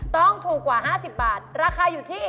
ต้องถูกกว่า๕๐บาทราคาอยู่ที่